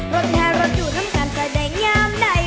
รถแพร่รถอยู่ทำกันก็ได้งามได้